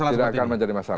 tidak akan menjadi masalah